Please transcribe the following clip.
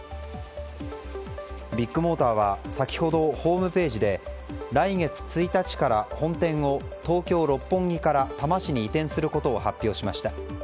ビッグモーターは先ほど、ホームページで来月１日から本店を東京・六本木から多摩市に移転することを発表しました。